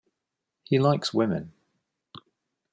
He likes women.